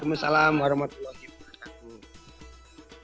waalaikumsalam warahmatullahi wabarakatuh